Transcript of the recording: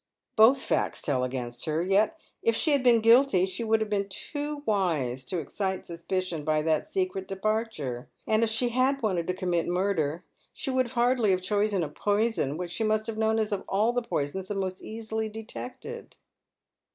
" Both facts tell against her. Yet, if she had been guilty, she would have been too wise to excite suspicion by that secret departure ; and if she had wanted to commit murder she would hardly have chosen a poison which she must have known is of all poisons the most easilj^ detected."